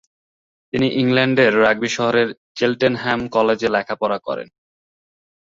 তিনি ইংল্যান্ডের রাগবি শহরের চেলটেনহ্যাম কলেজে লেখাপড়া করেন।